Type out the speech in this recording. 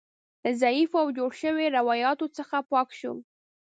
له ضعیفو او جوړو شویو روایتونو څخه پاک شو.